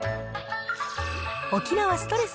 沖縄ストレス